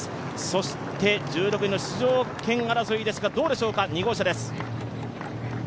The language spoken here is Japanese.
そして１６位の出場権争いはどうでしょうか、２号車です。